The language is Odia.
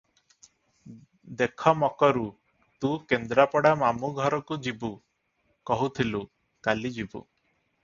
ଦେଖ ମକରୁ, ତୁ କେନ୍ଦ୍ରାପଡ଼ା ମାମୁ ଘରକୁ ଯିବୁ କହୁଥିଲୁ, କାଲି ଯିବୁ ।